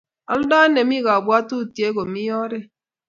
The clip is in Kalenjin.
oldo ne mi kabwotutie ko mito oret